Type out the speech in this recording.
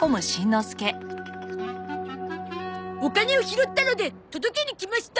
お金を拾ったので届けにきました！